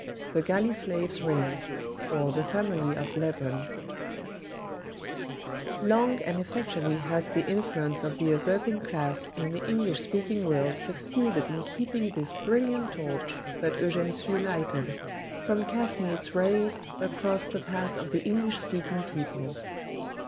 The Galley Slave's Ring; or, The Family of Lebrenn. Long and effectually has the influence of the usurping class in the English speaking world succeeded in keeping this brilliant torch that Eugene Sue lighted, from casting its rays across the path of the English speaking peoples.